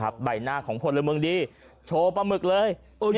ใบหน้าของพลเมืองดีโชว์ปลาหมึกเลย